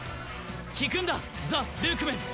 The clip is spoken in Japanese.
聞くんだザ・ルークメン！